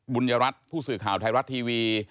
บุญยรัฐผู้สื่อข่าวไทยรัฐทีวี